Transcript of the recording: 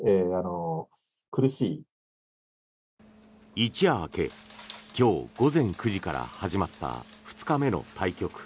一夜明け今日午前９時から始まった２日目の対局。